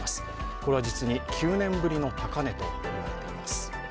これは実に９年ぶりの高値となっています。